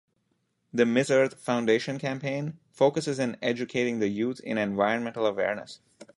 The Miss Earth Foundation campaign focuses in educating the youth in environmental awareness.